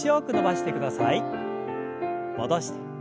戻して。